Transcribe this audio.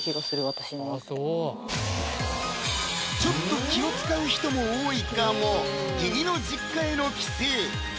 私の中で「ちょっと気を遣う人も多いかも義理の実家への帰省」